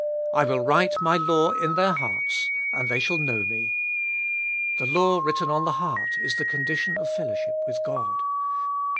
I will write My law in their hearts, and they shall know Me. The law written on the heart is the condition of fellowship with God.